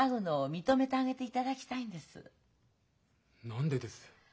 何でです？